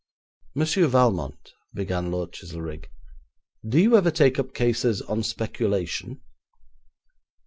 'Monsieur Valmont,' began Lord Chizelrigg, 'do you ever take up cases on speculation?'